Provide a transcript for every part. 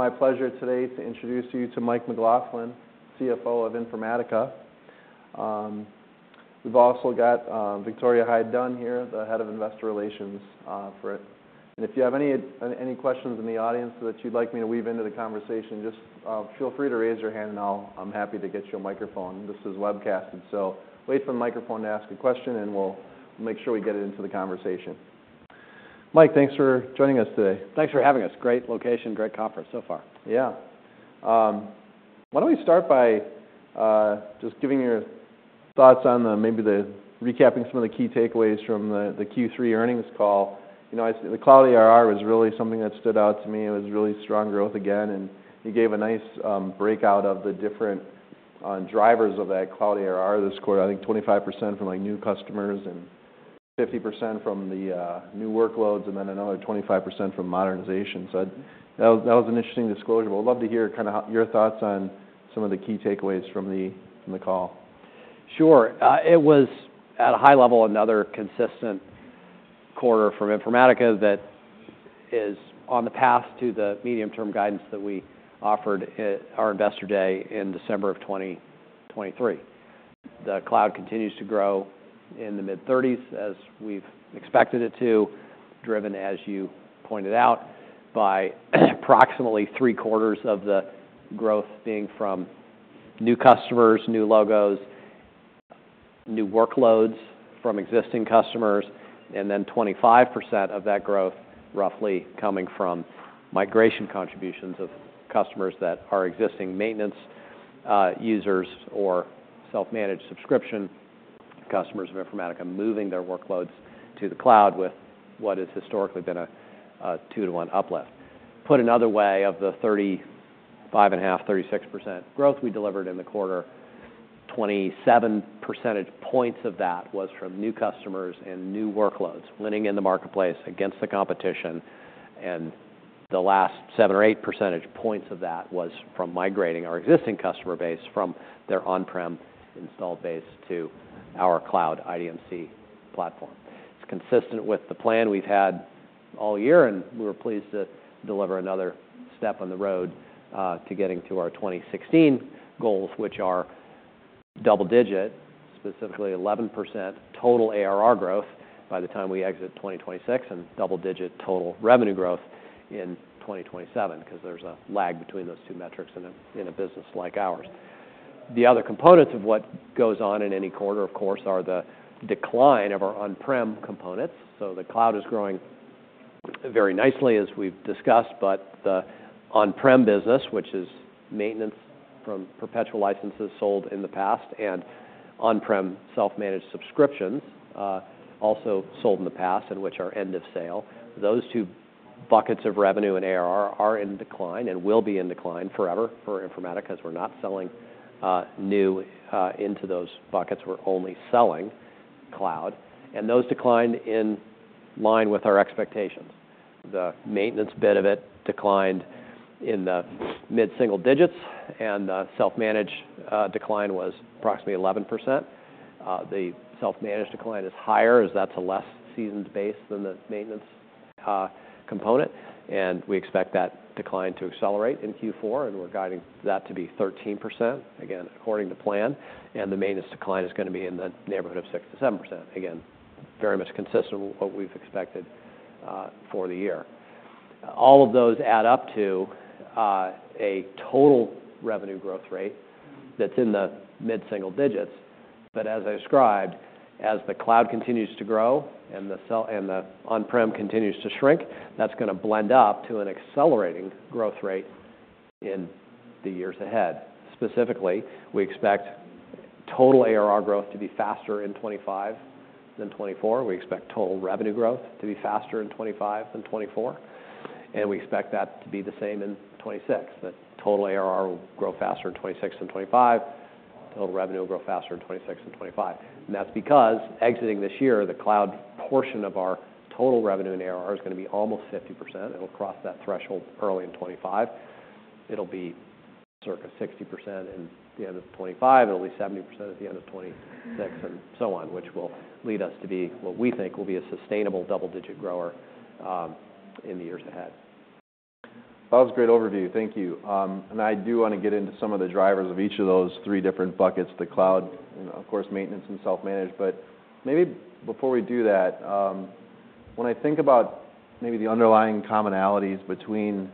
It's my pleasure today to introduce you to Mike McLaughlin, CFO of Informatica. We've also got Victoria Hyde-Dunn here, the Head of Investor Relations for it. And if you have any questions in the audience that you'd like me to weave into the conversation, just feel free to raise your hand and I'm happy to get you a microphone. This is webcasted, so wait for the microphone to ask a question and we'll make sure we get it into the conversation. Mike, thanks for joining us today. Thanks for having us. Great location, great conference so far. Yeah. Why don't we start by just giving your thoughts on the, maybe recapping some of the key takeaways from the Q3 earnings call. You know, I see the cloud ARR was really something that stood out to me. It was really strong growth again and you gave a nice breakout of the different drivers of that cloud ARR this quarter. I think 25% from, like, new customers and 50% from the new workloads and then another 25% from modernization. So that was an interesting disclosure. But I'd love to hear kinda your thoughts on some of the key takeaways from the call. Sure. It was, at a high level, another consistent quarter for Informatica that is on the path to the medium-term guidance that we offered at our investor day in December of 2023. The cloud continues to grow in the mid-30s as we've expected it to, driven, as you pointed out, by approximately three-quarters of the growth being from new customers, new logos, new workloads from existing customers, and then 25% of that growth roughly coming from migration contributions of customers that are existing maintenance, users or self-managed subscription customers of Informatica moving their workloads to the cloud with what has historically been a, a two-to-one uplift. Put another way, of the 35.5%-36% growth we delivered in the quarter, 27 percentage points of that was from new customers and new workloads winning in the marketplace against the competition. And the last seven or eight percentage points of that was from migrating our existing customer base from their on-prem installed base to our cloud IDMC platform. It's consistent with the plan we've had all year and we're pleased to deliver another step on the road to getting to our long-term goals, which are double-digit, specifically 11% total ARR growth by the time we exit 2026 and double-digit total revenue growth in 2027 'cause there's a lag between those two metrics in a business like ours. The other components of what goes on in any quarter, of course, are the decline of our on-prem components. So the cloud is growing very nicely as we've discussed, but the on-prem business, which is maintenance from perpetual licenses sold in the past and on-prem self-managed subscriptions, also sold in the past and which are end of sale, those two buckets of revenue and ARR are in decline and will be in decline forever for Informatica 'cause we're not selling new into those buckets. We're only selling cloud. And those declined in line with our expectations. The maintenance bit of it declined in the mid-single digits and the self-managed decline was approximately 11%. The self-managed decline is higher as that's a less seasoned base than the maintenance component. And we expect that decline to accelerate in Q4 and we're guiding that to be 13%, again, according to plan. The maintenance decline is gonna be in the neighborhood of 6%-7%, again, very much consistent with what we've expected, for the year. All of those add up to a total revenue growth rate that's in the mid-single digits. As I described, as the cloud continues to grow and the sell and the on-prem continues to shrink, that's gonna blend up to an accelerating growth rate in the years ahead. Specifically, we expect total ARR growth to be faster in 2025 than 2024. We expect total revenue growth to be faster in 2025 than 2024. We expect that to be the same in 2026. The total ARR will grow faster in 2026 than 2025. Total revenue will grow faster in 2026 than 2025. That's because exiting this year, the cloud portion of our total revenue in ARR is gonna be almost 50%. It'll cross that threshold early in 2025. It'll be circa 60% in the end of 2025. It'll be 70% at the end of 2026 and so on, which will lead us to be what we think will be a sustainable double-digit grower, in the years ahead. That was a great overview. Thank you. And I do wanna get into some of the drivers of each of those three different buckets: the cloud, you know, of course, maintenance and self-managed. But maybe before we do that, when I think about maybe the underlying commonalities between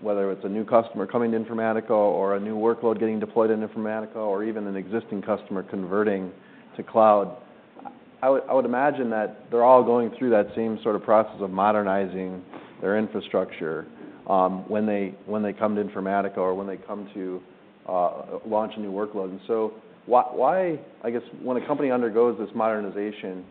whether it's a new customer coming to Informatica or a new workload getting deployed in Informatica or even an existing customer converting to cloud, I would imagine that they're all going through that same sort of process of modernizing their infrastructure, when they come to Informatica or when they come to launch a new workload. And so why, I guess, when a company undergoes this modernization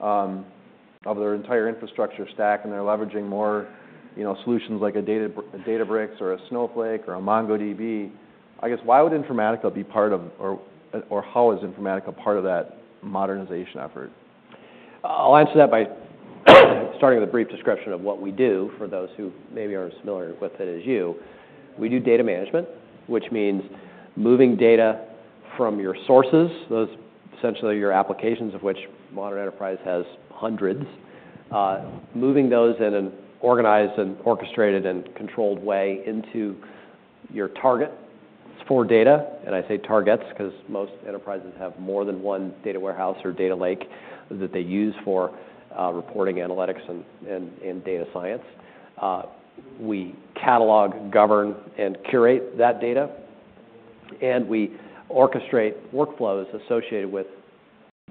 of their entire infrastructure stack and they're leveraging more, you know, solutions like a Databricks or a Snowflake or a MongoDB, I guess, why would Informatica be part of, or how is Informatica part of that modernization effort? I'll answer that by starting with a brief description of what we do for those who maybe are familiar with it as you. We do data management, which means moving data from your sources, those essentially are your applications of which modern enterprise has hundreds, moving those in an organized and orchestrated and controlled way into your targets for data. And I say targets 'cause most enterprises have more than one data warehouse or data lake that they use for reporting, analytics, and data science. We catalog, govern, and curate that data, and we orchestrate workflows associated with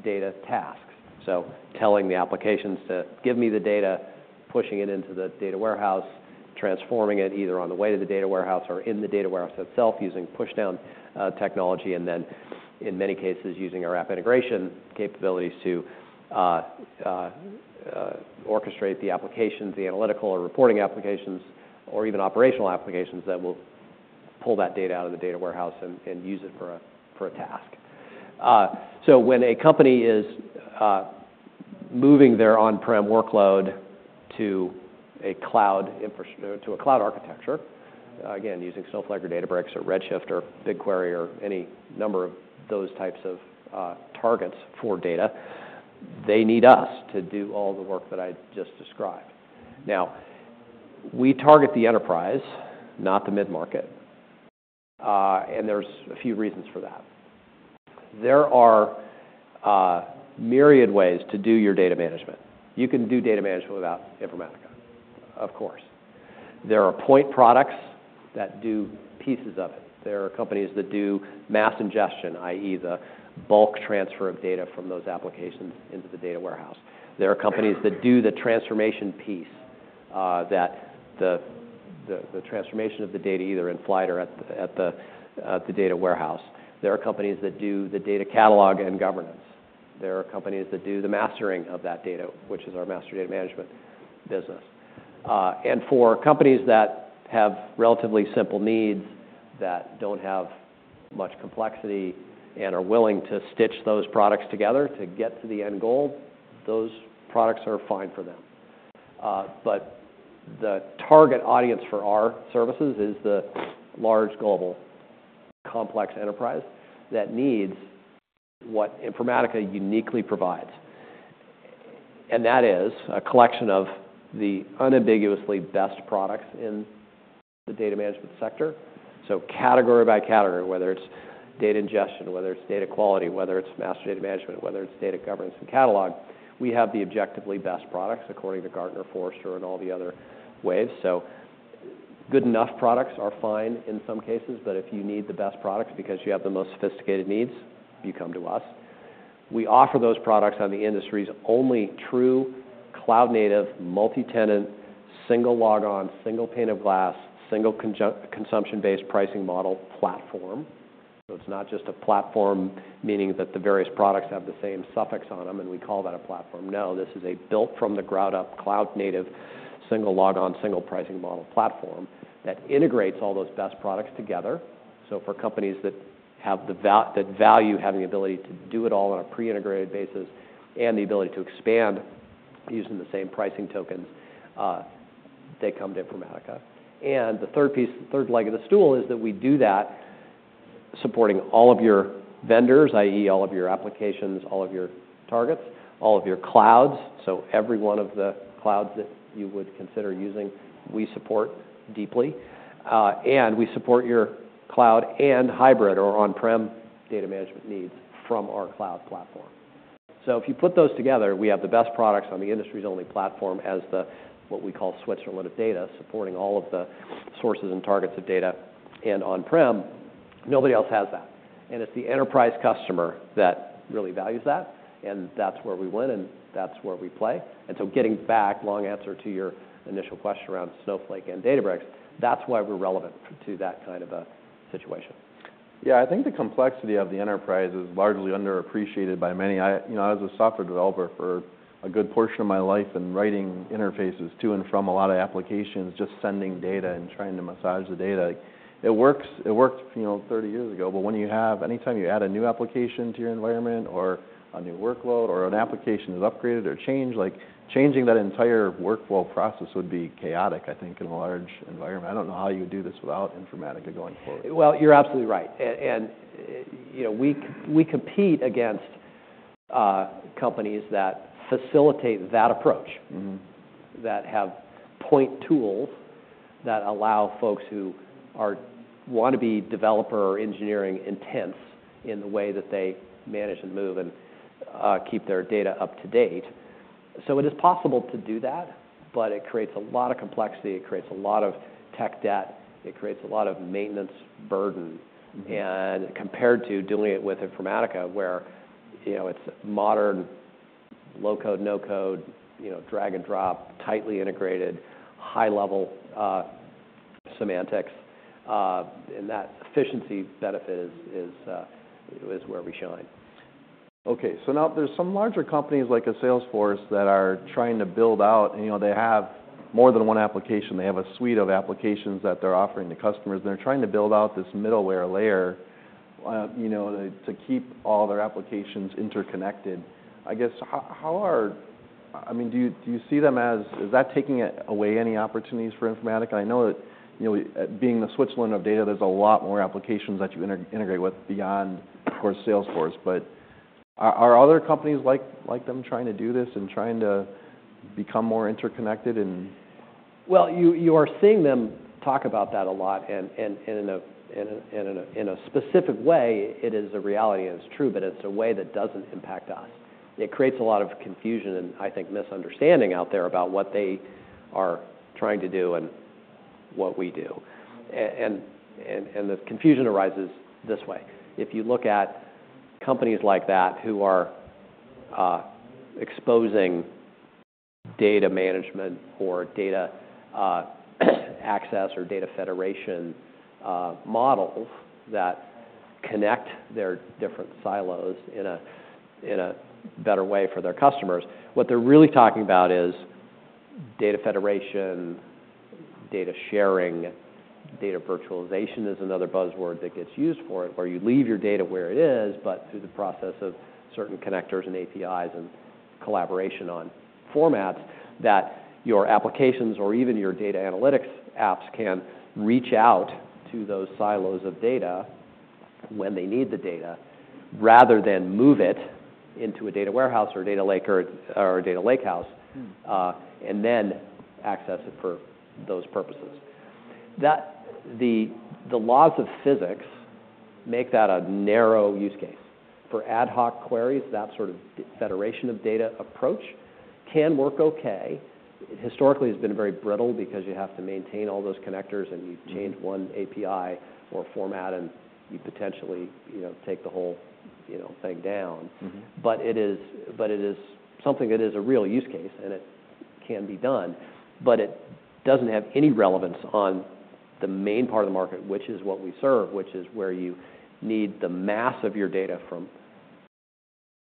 data tasks. So telling the applications to give me the data, pushing it into the data warehouse, transforming it either on the way to the data warehouse or in the data warehouse itself using pushdown technology, and then in many cases using our app integration capabilities to orchestrate the applications, the analytical or reporting applications, or even operational applications that will pull that data out of the data warehouse and use it for a task. So when a company is moving their on-prem workload to a cloud infrastructure, to a cloud architecture, again, using Snowflake or Databricks or Redshift or BigQuery or any number of those types of targets for data, they need us to do all the work that I just described. Now, we target the enterprise, not the mid-market, and there's a few reasons for that. There are myriad ways to do your data management. You can do data management without Informatica, of course. There are point products that do pieces of it. There are companies that do mass ingestion, i.e., the bulk transfer of data from those applications into the data warehouse. There are companies that do the transformation piece, the transformation of the data either in flight or at the data warehouse. There are companies that do the data catalog and governance. There are companies that do the mastering of that data, which is our master data management business. And for companies that have relatively simple needs, that don't have much complexity and are willing to stitch those products together to get to the end goal, those products are fine for them. But the target audience for our services is the large, global, complex enterprise that needs what Informatica uniquely provides. That is a collection of the unambiguously best products in the data management sector. Category by category, whether it's data ingestion, whether it's data quality, whether it's master data management, whether it's data governance and catalog, we have the objectively best products according to Gartner, Forrester, and all the other waves. Good enough products are fine in some cases, but if you need the best products because you have the most sophisticated needs, you come to us. We offer those products on the industry's only true cloud-native multi-tenant, single logon, single pane of glass, single consumption-based pricing model platform. It's not just a platform meaning that the various products have the same suffix on them and we call that a platform. No, this is a built-from-the-ground-up cloud-native single logon, single pricing model platform that integrates all those best products together. So for companies that value having the ability to do it all on a pre-integrated basis and the ability to expand using the same pricing tokens, they come to Informatica. And the third piece, the third leg of the stool is that we do that supporting all of your vendors, i.e., all of your applications, all of your targets, all of your clouds. So every one of the clouds that you would consider using, we support deeply. And we support your cloud and hybrid or on-prem data management needs from our cloud platform. So if you put those together, we have the best products on the industry's only platform, as what we call Switzerland of data supporting all of the sources and targets of data and on-prem. Nobody else has that. And it's the enterprise customer that really values that. And that's where we win and that's where we play. And so, getting back, long answer to your initial question around Snowflake and Databricks, that's why we're relevant to that kind of a situation. Yeah. I think the complexity of the enterprise is largely underappreciated by many. I, you know, I was a software developer for a good portion of my life and writing interfaces to and from a lot of applications, just sending data and trying to massage the data. It works, it worked, you know, 30 years ago. But when you have, anytime you add a new application to your environment or a new workload or an application is upgraded or changed, like, changing that entire workflow process would be chaotic, I think, in a large environment. I don't know how you would do this without Informatica going forward. You're absolutely right. You know, we compete against companies that facilitate that approach. Mm-hmm. That have point tools that allow folks who are wanna be developer or engineering intense in the way that they manage and move and keep their data up to date. So it is possible to do that, but it creates a lot of complexity. It creates a lot of tech debt. It creates a lot of maintenance burden. Mm-hmm. Compared to doing it with Informatica, where, you know, it's modern, low-code, no-code, you know, drag and drop, tightly integrated, high-level semantics, and that efficiency benefit is where we shine. Okay. So now there's some larger companies like Salesforce that are trying to build out, you know, they have more than one application. They have a suite of applications that they're offering to customers. They're trying to build out this middleware layer, you know, to keep all their applications interconnected. I guess, how are, I mean, do you see them as, is that taking away any opportunities for Informatica? I know that, you know, being the Switzerland of data, there's a lot more applications that you integrate with beyond, of course, Salesforce. But are other companies like them trying to do this and trying to become more interconnected and? You are seeing them talk about that a lot. In a specific way, it is a reality and it's true, but it's a way that doesn't impact us. It creates a lot of confusion and I think misunderstanding out there about what they are trying to do and what we do. The confusion arises this way. If you look at companies like that who are exposing data management or data access or data federation models that connect their different silos in a better way for their customers, what they're really talking about is data federation, data sharing, data virtualization is another buzzword that gets used for it where you leave your data where it is, but through the process of certain connectors and APIs and collaboration on formats that your applications or even your data analytics apps can reach out to those silos of data when they need the data rather than move it into a data warehouse or data lake or data lakehouse, and then access it for those purposes. That the laws of physics make that a narrow use case for ad hoc queries. That sort of federation of data approach can work okay. Historically, it's been very brittle because you have to maintain all those connectors and you change one API or format and you potentially, you know, take the whole, you know, thing down. Mm-hmm. But it is, but it is something that is a real use case and it can be done, but it doesn't have any relevance on the main part of the market, which is what we serve, which is where you need the mass of your data from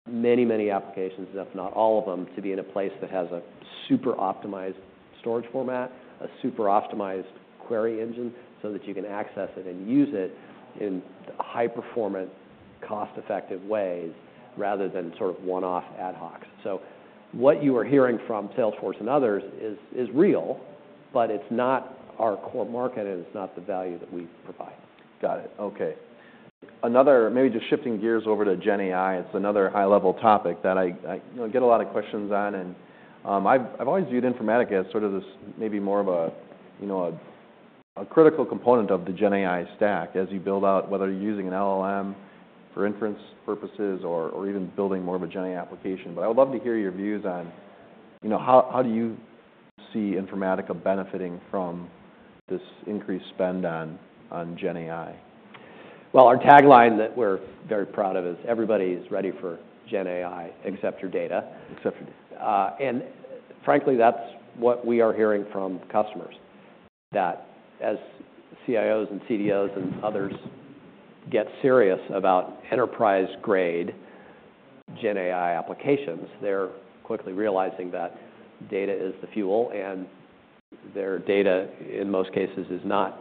many, many applications, if not all of them, to be in a place that has a super optimized storage format, a super optimized query engine so that you can access it and use it in high-performance, cost-effective ways rather than sort of one-off ad hocs. So what you are hearing from Salesforce and others is real, but it's not our core market and it's not the value that we provide. Got it. Okay. Another, maybe just shifting gears over to GenAI, it's another high-level topic that I you know, get a lot of questions on. And, I've always viewed Informatica as sort of this maybe more of a you know, a critical component of the GenAI stack as you build out, whether you're using an LLM for inference purposes or even building more of a GenAI application. But I would love to hear your views on you know, how do you see Informatica benefiting from this increased spend on GenAI? Our tagline that we're very proud of is, "Everybody is ready for GenAI except your data. Except your data. And frankly, that's what we are hearing from customers that as CIOs and CDOs and others get serious about enterprise-grade GenAI applications, they're quickly realizing that data is the fuel and their data in most cases is not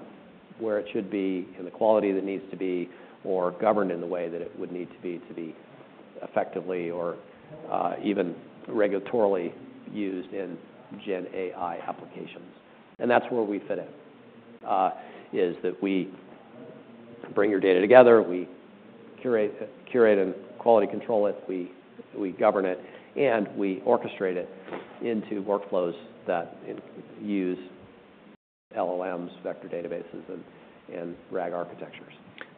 where it should be and the quality that needs to be or governed in the way that it would need to be to be effectively or, even regulatorily used in GenAI applications. And that's where we fit in, is that we bring your data together. We curate, curate and quality control it. We, we govern it and we orchestrate it into workflows that use LLMs, vector databases, and, and RAG architectures.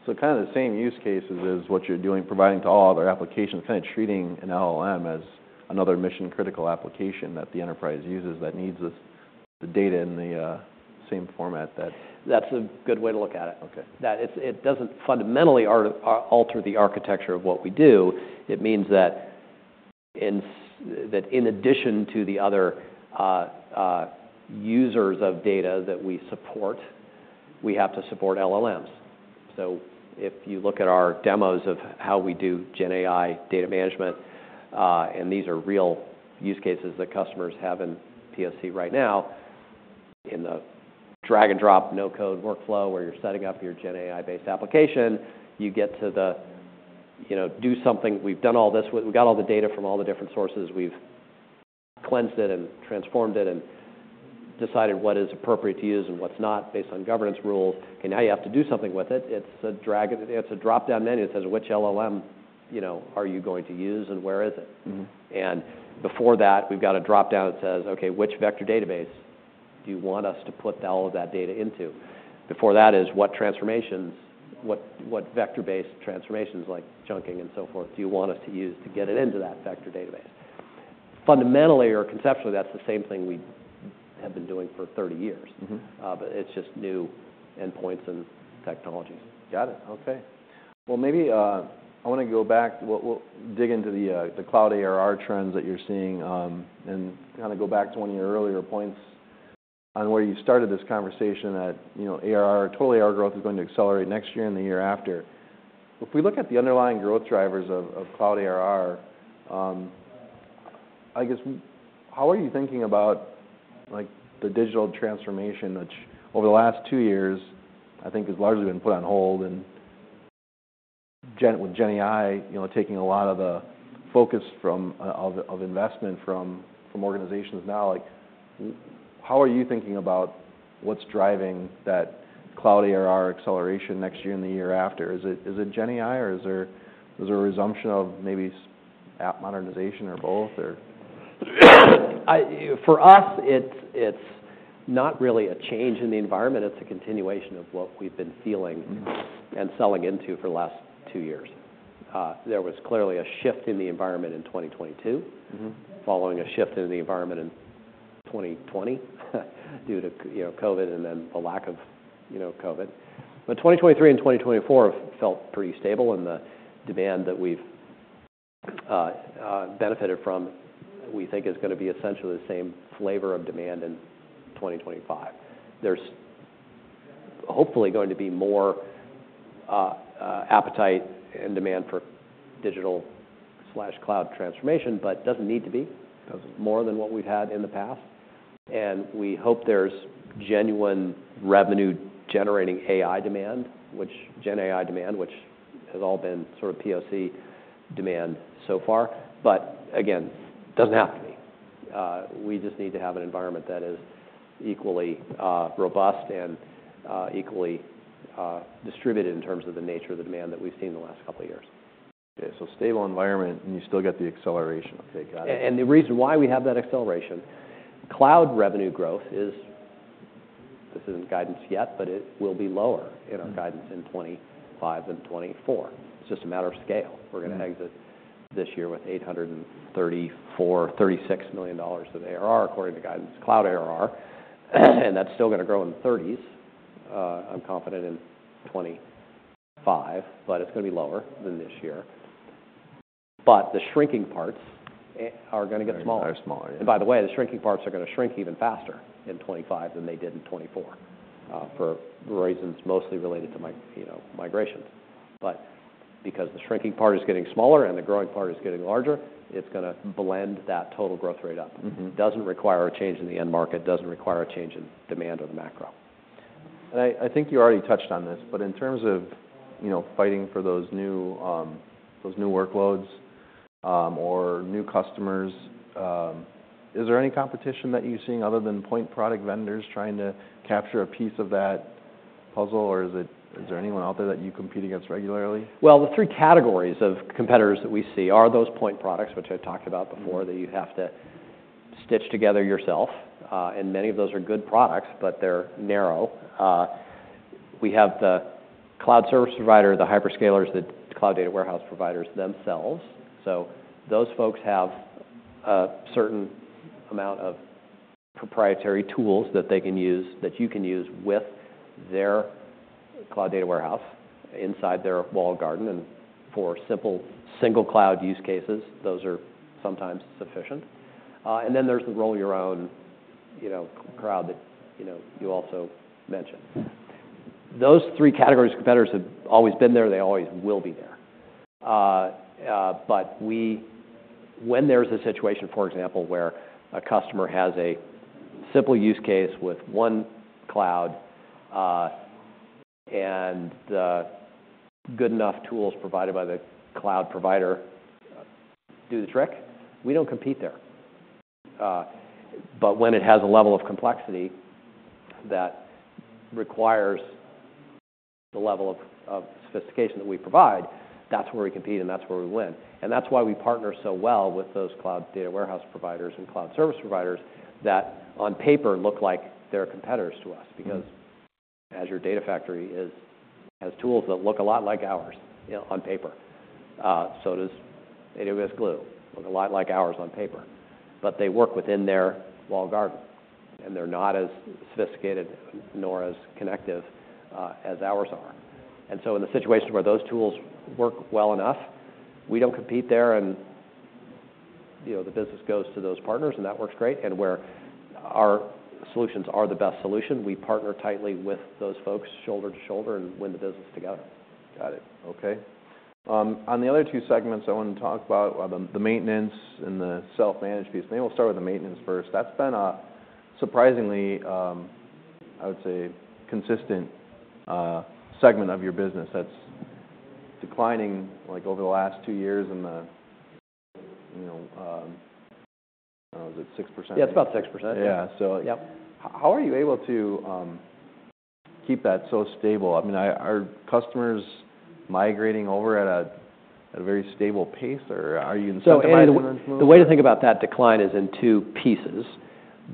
So kind of the same use cases as what you're doing, providing to all other applications, kind of treating an LLM as another mission-critical application that the enterprise uses that needs the data in the same format that. That's a good way to look at it. Okay. That it doesn't fundamentally alter the architecture of what we do. It means that in addition to the other users of data that we support, we have to support LLMs. So if you look at our demos of how we do GenAI data management, and these are real use cases that customers have in POC right now in the drag-and-drop, no-code workflow where you're setting up your GenAI-based application, you get to, you know, do something. We've got all the data from all the different sources. We've cleansed it and transformed it and decided what is appropriate to use and what's not based on governance rules. Okay. Now you have to do something with it. It's a drop-down menu that says, "Which LLM, you know, are you going to use and where is it? Mm-hmm. And before that, we've got a drop-down that says, "Okay. Which vector database do you want us to put all of that data into?" Before that is, "What transformations, what, what vector-based transformations like chunking and so forth do you want us to use to get it into that vector database?" Fundamentally or conceptually, that's the same thing we have been doing for 30 years. Mm-hmm. But it's just new endpoints and technologies. Got it. Okay. Well, maybe I wanna go back to dig into the cloud ARR trends that you're seeing, and kind of go back to one of your earlier points on where you started this conversation that, you know, total ARR growth is going to accelerate next year and the year after. If we look at the underlying growth drivers of cloud ARR, I guess how are you thinking about, like, the digital transformation which over the last two years I think has largely been put on hold and with GenAI you know taking a lot of the focus from investment from organizations now? Like, how are you thinking about what's driving that cloud ARR acceleration next year and the year after? Is it GenAI or is there a resumption of maybe app modernization or both or? For us, it's not really a change in the environment. It's a continuation of what we've been feeling. Mm-hmm. And selling into for the last two years. There was clearly a shift in the environment in 2022. Mm-hmm. Following a shift in the environment in 2020 due to, you know, COVID and then the lack of, you know, COVID. But 2023 and 2024 have felt pretty stable and the demand that we've benefited from, we think, is gonna be essentially the same flavor of demand in 2025. There's hopefully going to be more appetite and demand for digital/cloud transformation, but doesn't need to be. Doesn't. More than what we've had in the past. And we hope there's genuine revenue-generating AI demand, which GenAI demand, which has all been sort of POC demand so far. But again, doesn't have to be. We just need to have an environment that is equally robust and equally distributed in terms of the nature of the demand that we've seen the last couple of years. Okay, so stable environment and you still get the acceleration. Okay. Got it. And the reason why we have that acceleration, cloud revenue growth is, this isn't guidance yet, but it will be lower in our guidance in 2025 than 2024. It's just a matter of scale. We're gonna exit this year with $836 million of ARR according to guidance, cloud ARR. And that's still gonna grow in the 30s%. I'm confident in 2025, but it's gonna be lower than this year. But the shrinking parts are gonna get smaller. Are smaller. Yeah. And by the way, the shrinking parts are gonna shrink even faster in 2025 than they did in 2024, for reasons mostly related to AI, you know, migrations. But because the shrinking part is getting smaller and the growing part is getting larger, it's gonna blend that total growth rate up. Mm-hmm. Doesn't require a change in the end market, doesn't require a change in demand or the macro. I think you already touched on this, but in terms of, you know, fighting for those new workloads or new customers, is there any competition that you're seeing other than point product vendors trying to capture a piece of that puzzle? Or is there anyone out there that you compete against regularly? The three categories of competitors that we see are those point products, which I talked about before. Mm-hmm. That you have to stitch together yourself. And many of those are good products, but they're narrow. We have the cloud service provider, the hyperscalers, the cloud data warehouse providers themselves. So those folks have a certain amount of proprietary tools that they can use that you can use with their cloud data warehouse inside their walled garden. And for simple single cloud use cases, those are sometimes sufficient. And then there's the roll-your-own, you know, crowd that, you know, you also mentioned. Those three categories of competitors have always been there. They always will be there. But we, when there's a situation, for example, where a customer has a simple use case with one cloud, and the good enough tools provided by the cloud provider do the trick, we don't compete there. But when it has a level of complexity that requires the level of sophistication that we provide, that's where we compete and that's where we win. And that's why we partner so well with those cloud data warehouse providers and cloud service providers that on paper look like they're competitors to us because Azure Data Factory is, has tools that look a lot like ours, you know, on paper. So does AWS Glue look a lot like ours on paper, but they work within their walled garden and they're not as sophisticated nor as connective as ours are. And so in the situation where those tools work well enough, we don't compete there and, you know, the business goes to those partners and that works great. And where our solutions are the best solution, we partner tightly with those folks shoulder to shoulder and win the business together. Got it. Okay. On the other two segments I wanna talk about, the maintenance and the self-managed piece, maybe we'll start with the maintenance first. That's been a surprisingly, I would say, consistent segment of your business that's declining, like, over the last two years in the, you know, I don't know, is it 6%? Yeah. It's about 6%. Yeah. So. Yep. How are you able to keep that so stable? I mean, are customers migrating over at a very stable pace or are you in some amount of movement? So the way to think about that decline is in two pieces.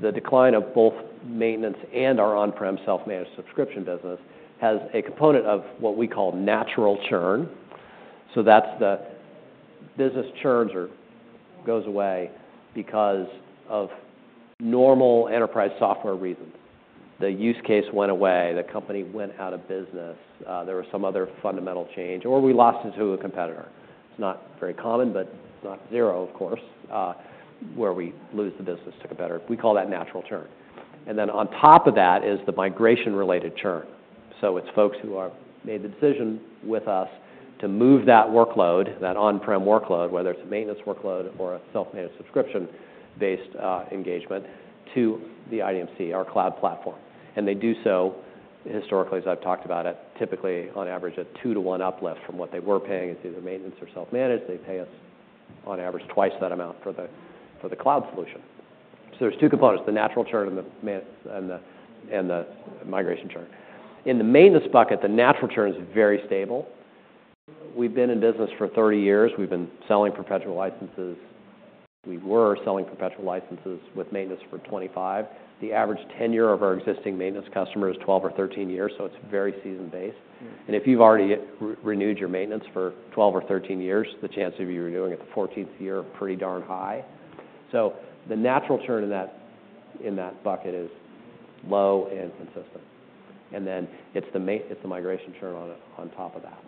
The decline of both maintenance and our on-prem self-managed subscription business has a component of what we call natural churn. So that's the business that churns or goes away because of normal enterprise software reasons. The use case went away. The company went out of business. There was some other fundamental change or we lost it to a competitor. It's not very common, but not zero, of course, where we lose the business to a competitor. We call that natural churn. And then on top of that is the migration-related churn. So it's folks who have made the decision with us to move that workload, that on-prem workload, whether it's a maintenance workload or a self-managed subscription-based engagement to the IDMC, our cloud platform. And they do so historically, as I've talked about, at typically on average a two-to-one uplift from what they were paying as either maintenance or self-managed. They pay us on average twice that amount for the cloud solution. So there's two components, the natural churn and the maintenance and the migration churn. In the maintenance bucket, the natural churn's very stable. We've been in business for 30 years. We've been selling perpetual licenses. We were selling perpetual licenses with maintenance for 2025. The average tenure of our existing maintenance customer is 12 or 13 years. So it's very season-based. Mm-hmm. And if you've already renewed your maintenance for 12 or 13 years, the chance of you renewing it the 14th year is pretty darn high. So the natural churn in that bucket is low and consistent. And then it's the migration churn on top of that.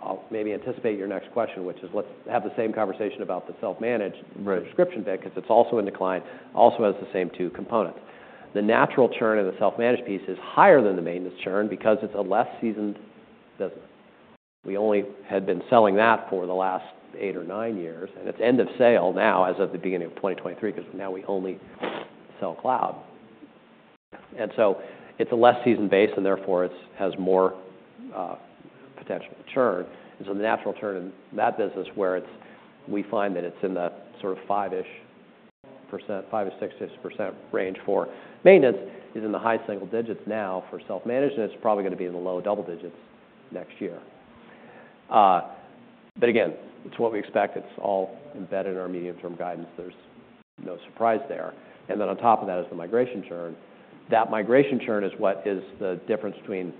I'll maybe anticipate your next question, which is, let's have the same conversation about the self-managed. Right. Subscription bit 'cause it's also in decline, also has the same two components. The natural churn and the self-managed piece is higher than the maintenance churn because it's a less seasoned business. We only had been selling that for the last eight or nine years, and it's end of sale now as of the beginning of 2023 'cause now we only sell cloud. It is a less seasoned base and therefore it has more potential churn. The natural churn in that business, we find that it's in the sort of five-ish %, five to six-ish % range for maintenance is in the high single digits now for self-managed, and it's probably gonna be in the low double digits next year. Again, it's what we expect. It's all embedded in our medium-term guidance. There's no surprise there. And then on top of that is the migration churn. That migration churn is what is the difference between,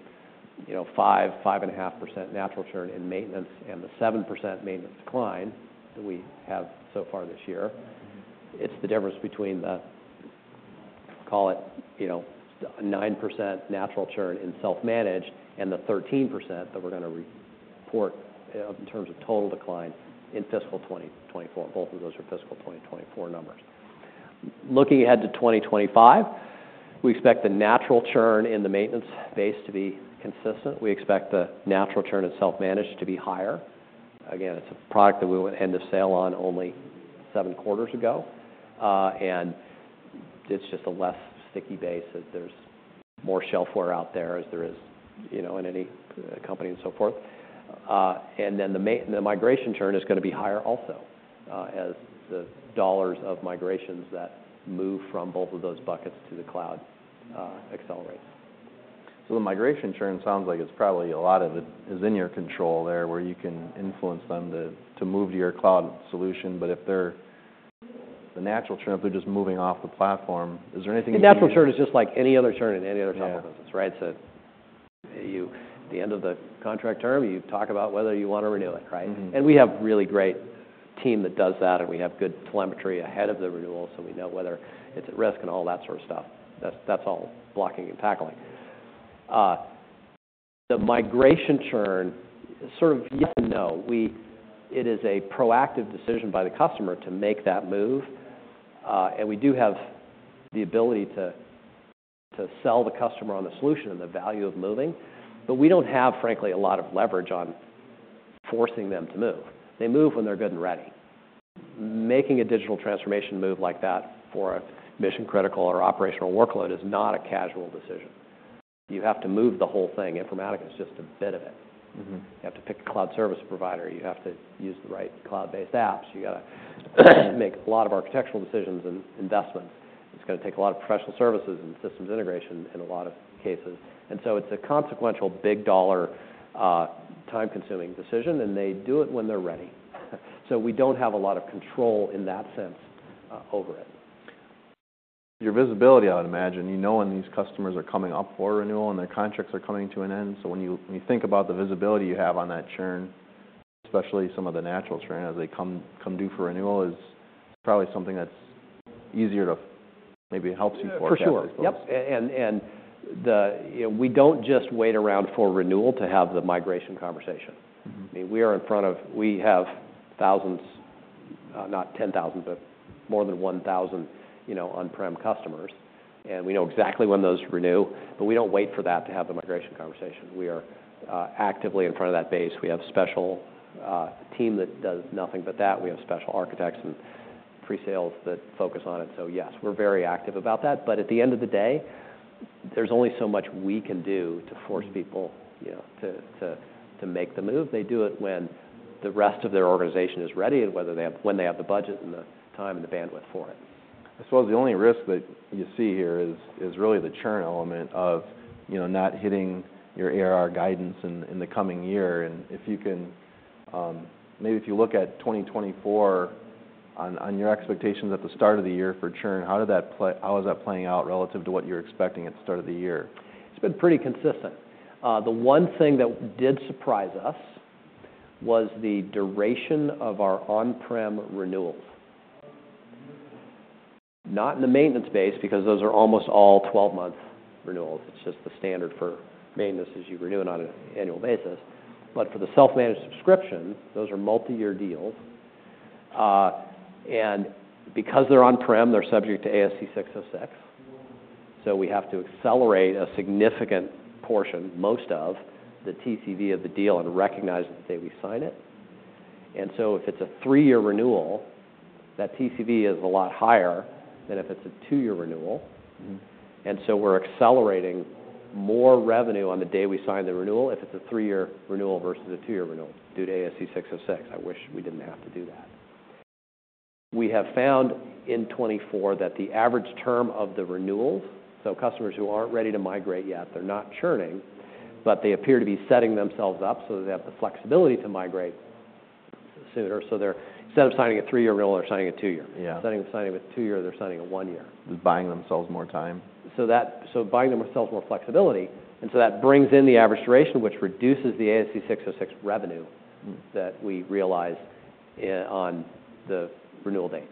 you know, 5-5.5% natural churn in maintenance and the 7% maintenance decline that we have so far this year. Mm-hmm. It's the difference between the, call it, you know, 9% natural churn in self-managed and the 13% that we're gonna report, in terms of total decline in fiscal 2024. Both of those are fiscal 2024 numbers. Looking ahead to 2025, we expect the natural churn in the maintenance base to be consistent. We expect the natural churn in self-managed to be higher. Again, it's a product that we went end of sale on only seven quarters ago. And it's just a less sticky base as there's more shelfware out there as there is, you know, in any company and so forth. And then the migration churn is gonna be higher also, as the dollars of migrations that move from both of those buckets to the cloud, accelerates. The migration churn sounds like it's probably a lot of it is in your control there where you can influence them to move to your cloud solution. If they're the natural churn, if they're just moving off the platform, is there anything you can do? The natural churn is just like any other churn in any other cloud business. Yeah. Right? So you, at the end of the contract term, you talk about whether you wanna renew it, right? Mm-hmm. We have a really great team that does that, and we have good telemetry ahead of the renewal, so we know whether it's at risk and all that sort of stuff. That's all blocking and tackling. The migration churn is sort of yes and no. Well, it is a proactive decision by the customer to make that move. We do have the ability to sell the customer on the solution and the value of moving, but we don't have, frankly, a lot of leverage on forcing them to move. They move when they're good and ready. Making a digital transformation move like that for a mission-critical or operational workload is not a casual decision. You have to move the whole thing. Informatica's just a bit of it. Mm-hmm. You have to pick a cloud service provider. You have to use the right cloud-based apps. You gotta make a lot of architectural decisions and investments. It's gonna take a lot of professional services and systems integration in a lot of cases, and so it's a consequential, big dollar, time-consuming decision, and they do it when they're ready, so we don't have a lot of control in that sense, over it. Your visibility, I would imagine, you know when these customers are coming up for a renewal and their contracts are coming to an end. So when you think about the visibility you have on that churn, especially some of the natural churn as they come due for renewal, is probably something that's easier to maybe it helps you forecast those. For sure. Yep. And the, you know, we don't just wait around for renewal to have the migration conversation. Mm-hmm. I mean, we are in front of we have thousands, not 10,000, but more than 1,000, you know, on-prem customers. And we know exactly when those renew, but we don't wait for that to have the migration conversation. We are actively in front of that base. We have a special team that does nothing but that. We have special architects and pre-sales that focus on it. So yes, we're very active about that. But at the end of the day, there's only so much we can do to force people, you know, to make the move. They do it when the rest of their organization is ready and when they have the budget and the time and the bandwidth for it. I suppose the only risk that you see here is really the churn element of, you know, not hitting your ARR guidance in the coming year, and if you can, maybe if you look at 2024 on your expectations at the start of the year for churn, how was that playing out relative to what you were expecting at the start of the year? It's been pretty consistent. The one thing that did surprise us was the duration of our on-prem renewals. Not in the maintenance base because those are almost all 12-month renewals. It's just the standard for maintenance as you renew it on an annual basis. But for the self-managed subscription, those are multi-year deals. And because they're on-prem, they're subject to ASC 606. So we have to accelerate a significant portion, most of the TCV of the deal and recognize the day we sign it. And so if it's a three-year renewal, that TCV is a lot higher than if it's a two-year renewal. Mm-hmm. And so we're accelerating more revenue on the day we sign the renewal if it's a three-year renewal versus a two-year renewal due to ASC 606. I wish we didn't have to do that. We have found in 2024 that the average term of the renewals, so customers who aren't ready to migrate yet, they're not churning, but they appear to be setting themselves up so that they have the flexibility to migrate sooner. So they're instead of signing a three-year renewal, they're signing a two-year. Yeah. Instead of signing a two-year, they're signing a one-year. They're buying themselves more time? So that buying themselves more flexibility, and so that brings in the average duration, which reduces the ASC 606 revenue. Mm-hmm. That we realize on the renewal date.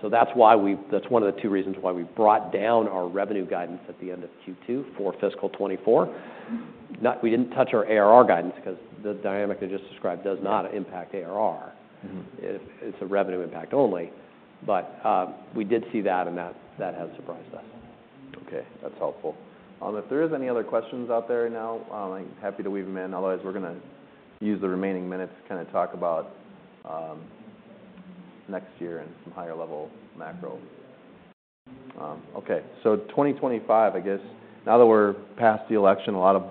So that's why. That's one of the two reasons why we brought down our revenue guidance at the end of Q2 for fiscal 2024. No, we didn't touch our ARR guidance 'cause the dynamic they just described does not impact ARR. Mm-hmm. If it's a revenue impact only. But we did see that, and that has surprised us. Okay. That's helpful. If there is any other questions out there now, I'm happy to weave them in. Otherwise, we're gonna use the remaining minutes to kinda talk about next year and some higher-level macro. Okay. So 2025, I guess, now that we're past the election, a lot of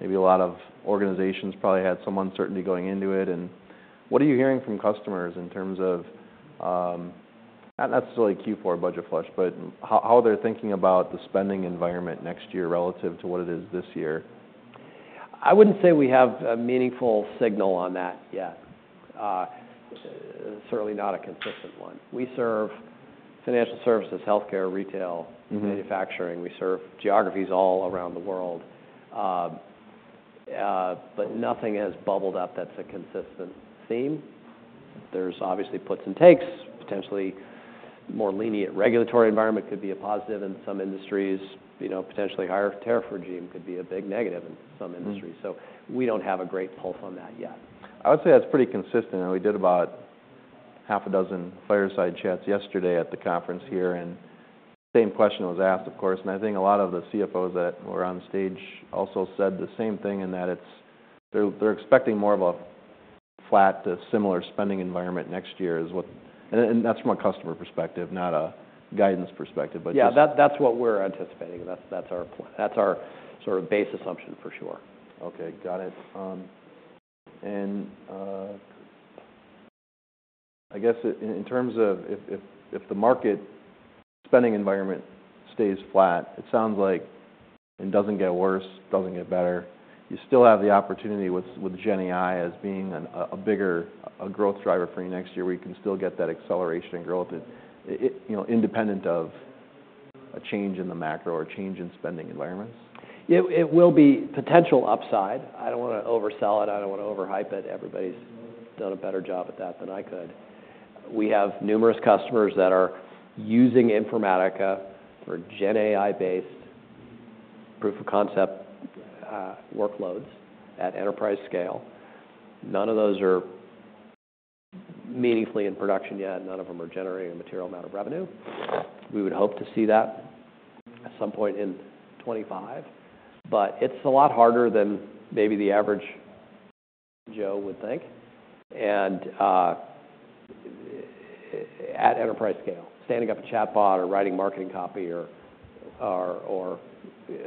maybe a lot of organizations probably had some uncertainty going into it. And what are you hearing from customers in terms of not necessarily Q4 budget flush, but how they're thinking about the spending environment next year relative to what it is this year? I wouldn't say we have a meaningful signal on that yet. Certainly not a consistent one. We serve financial services, healthcare, retail. Mm-hmm. Manufacturing. We serve geographies all around the world. But nothing has bubbled up that's a consistent theme. There's obviously puts and takes. Potentially more lenient regulatory environment could be a positive in some industries. You know, potentially higher tariff regime could be a big negative in some industries. Mm-hmm. So we don't have a great pulse on that yet. I would say that's pretty consistent. We did about half a dozen fireside chats yesterday at the conference here, and the same question was asked, of course. I think a lot of the CFOs that were on stage also said the same thing in that it's that they're expecting more of a flat to similar spending environment next year, and that's from a customer perspective, not a guidance perspective, but just. Yeah. That's what we're anticipating. That's our sort of base assumption for sure. Okay. Got it, and I guess in terms of if the market spending environment stays flat, it sounds like, and doesn't get worse, doesn't get better, you still have the opportunity with GenAI as being a bigger growth driver for you next year where you can still get that acceleration and growth. It, you know, independent of a change in the macro or a change in spending environments? It will be potential upside. I don't wanna oversell it. I don't wanna overhype it. Everybody's done a better job at that than I could. We have numerous customers that are using Informatica for GenAI-based proof of concept, workloads at enterprise scale. None of those are meaningfully in production yet. None of them are generating a material amount of revenue. We would hope to see that at some point in 2025. But it's a lot harder than maybe the average Joe would think. And, at enterprise scale, standing up a chatbot or writing marketing copy or, you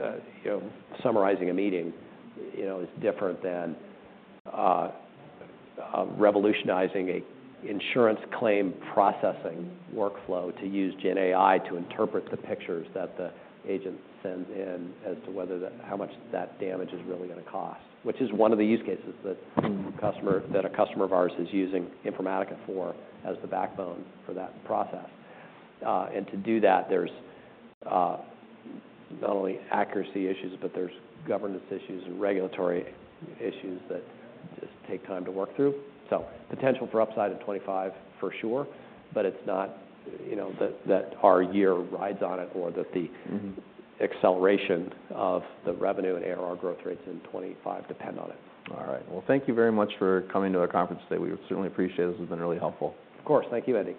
know, summarizing a meeting, you know, is different than, revolutionizing a insurance claim processing workflow to use GenAI to interpret the pictures that the agent sends in as to whether the how much that damage is really gonna cost, which is one of the use cases that. Mm-hmm. Customer that a customer of ours is using Informatica for as the backbone for that process. And to do that, there's not only accuracy issues, but there's governance issues and regulatory issues that just take time to work through. So potential for upside in 2025 for sure, but it's not, you know, that, that our year rides on it or that the. Mm-hmm. Acceleration of the revenue and ARR growth rates in 2025 depend on it. All right. Well, thank you very much for coming to our conference today. We certainly appreciate it. This has been really helpful. Of course. Thank you, Andy.